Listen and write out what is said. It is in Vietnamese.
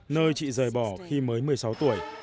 nơi chị rời bỏ khi mới một mươi sáu tuổi